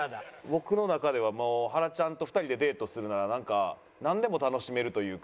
僕の中ではもうはらちゃんと２人でデートするならなんかなんでも楽しめるというか。